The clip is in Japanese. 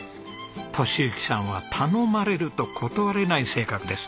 敏之さんは頼まれると断れない性格です。